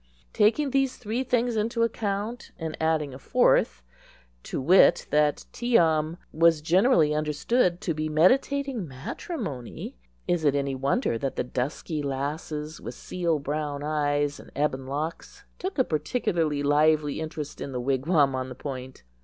Taking these three things into account, and adding a fourth—to wit, that Tee am was generally understood to be meditating matrimony—is it any wonder that the dusky lasses with seal brown eyes and ebon locks took a particularly lively interest in the wigwam on the Point?